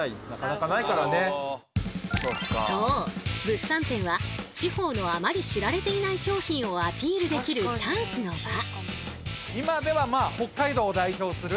物産展は地方のあまり知られていない商品をアピールできるチャンスの場！